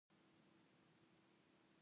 د تخار په رستاق کې د سرو زرو نښې شته.